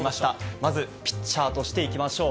まずピッチャーとしていきましょう。